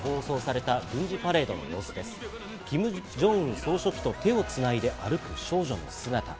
総書記と手をつないで歩く少女の姿。